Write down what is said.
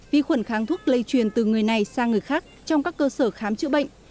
vi khuẩn kháng thuốc lây truyền từ người này sang người khác trong các cơ sở khám chữa bệnh